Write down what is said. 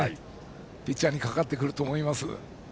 ピッチャーにかかってくると思います。